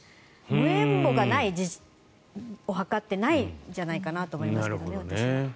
無縁墓がないお墓ってないんじゃないかなと思いますけどね。